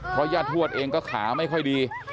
เพราะย่าทวดเองก็ขาไม่ค่อยดี